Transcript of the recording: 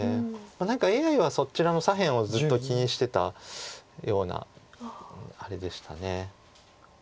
何かＡＩはそちらの左辺をずっと気にしてたようなあれでした。